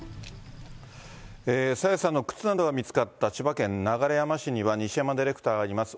朝芽さんの靴などが見つかった千葉県流山市には、西山ディレクターがいます。